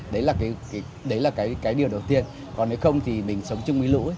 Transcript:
đấy là cái điều đầu tiên còn nếu không thì mình sống chung với lũ